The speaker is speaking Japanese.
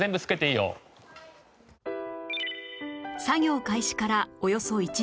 作業開始からおよそ１時間